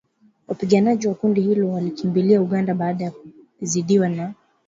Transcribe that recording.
Wapiganaji wa kundi hilo walikimbilia Uganda baada ya kuzidiwa na